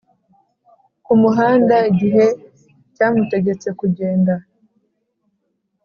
ku muhanda igihe cyamutegetse kugenda.